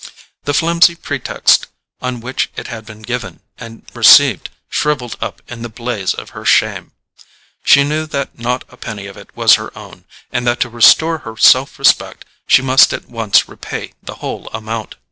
The flimsy pretext on which it had been given and received shrivelled up in the blaze of her shame: she knew that not a penny of it was her own, and that to restore her self respect she must at once repay the whole amount.